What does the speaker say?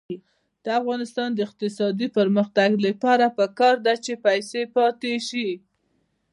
د افغانستان د اقتصادي پرمختګ لپاره پکار ده چې پیسې پاتې شي.